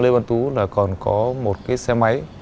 lê văn tú còn có một xe máy